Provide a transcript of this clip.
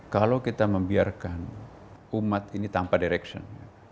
kalau kita membiarkan umat ini tanpa direction